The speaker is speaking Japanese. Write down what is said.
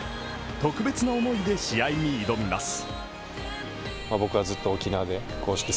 特別な思いで試合に挑みます。